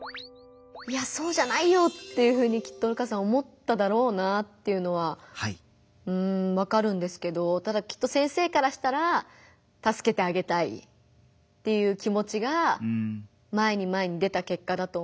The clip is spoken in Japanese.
いやそうじゃないよっていうふうにきっと瑠花さん思っただろうなっていうのはわかるんですけどただきっと先生からしたらたすけてあげたいっていう気持ちが前に前に出た結果だと思いますし。